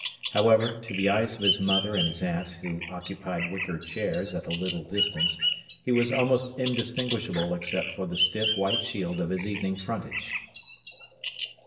However, to the eyes of his mother and his aunt, who occupied wicker chairs at a little distance, he was almost indistinguishable except for the stiff white shield of his evening frontage.